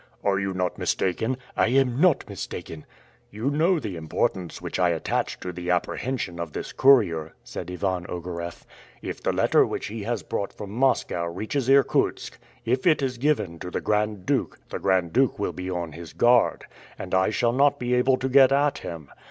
"Are you not mistaken?" "I am not mistaken." "You know the importance which I attach to the apprehension of this courier," said Ivan Ogareff. "If the letter which he has brought from Moscow reaches Irkutsk, if it is given to the Grand Duke, the Grand Duke will be on his guard, and I shall not be able to get at him.